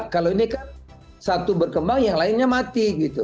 kalau ini kan satu berkembang yang lainnya mati gitu